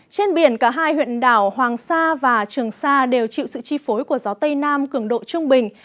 trên biển cả hai huyện đảo hoàng sa và trường sa đều chịu sự chi phối của gió tây nam cường độ trung bình